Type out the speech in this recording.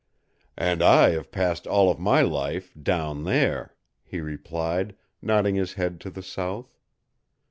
"And I have passed all of my life DOWN THERE," he replied, nodding his head to the south.